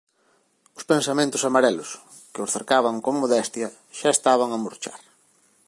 Os pensamentos amarelos, que os cercaban con modestia, xa estaban a murchar.